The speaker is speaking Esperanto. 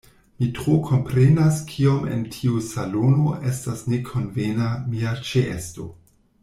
Mi tro komprenas, kiom en tiu salono estas nekonvena mia ĉeesto.